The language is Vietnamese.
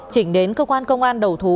chỉnh đến cơ quan công an đầu thú